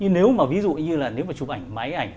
nếu mà ví dụ như là nếu mà chụp ảnh máy ảnh